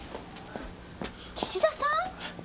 岸田さん？